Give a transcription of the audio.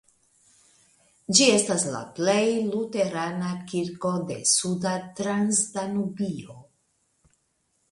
Ĝi estas la plej granda luterana kirko en Suda Transdanubio.